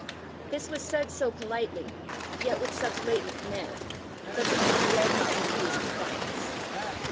This was said so politely, yet with such latent command, that the youth dared not refuse compliance.